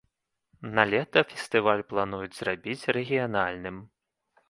Налета фестываль плануюць зрабіць рэгіянальным.